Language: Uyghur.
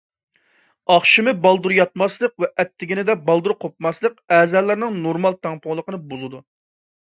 ئاخشىمى بالدۇر ياتماسلىق ۋە ئەتىگەندە بالدۇر قوپماسلىق ئەزالارنىڭ نورمال تەڭپۇڭلۇقىنى بۇزىدۇ.